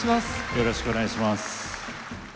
よろしくお願いします。